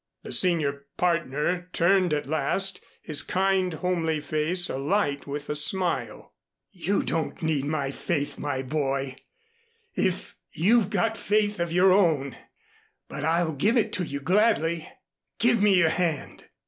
The senior partner turned at last, his kind homely face alight with a smile. "You don't need my faith, my boy, if you've got faith of your own, but I give it to you gladly. Give me your hand."